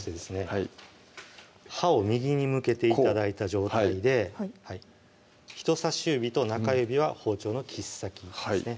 はい刃を右に向けて頂いた状態で人さし指と中指は包丁の切っ先ですね